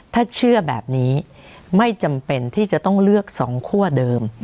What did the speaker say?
ถ้าเชื่อแบบนี้ไม่จำเป็นที่จะต้องเลือก๒คั่วเดิม